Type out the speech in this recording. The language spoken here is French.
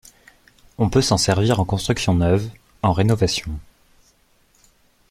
On peut s'en servir en construction neuve, en rénovation.